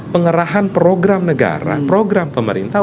pengerahan program negara program pemerintah